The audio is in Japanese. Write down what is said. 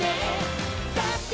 「だって